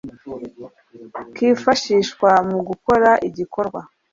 kifashishwa mu gukora igikorwa